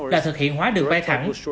là thực hiện hóa đường vai thẳng